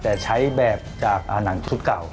แต่ใช้แบบจากหนังชุดเก่า